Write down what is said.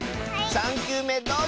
３きゅうめどうぞ！